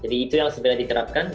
saya juga menarik dari thailand